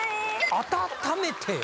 「あたためてよ」